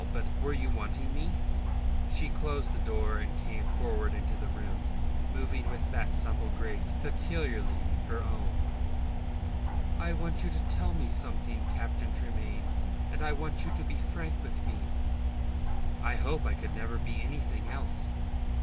But... were you wanting me?" She closed the door, and came forward into the room, moving with that supple grace peculiarly her own. "I want you to tell me something, Captain Tremayne, and I want you to be frank with me." "I hope I could never be anything else."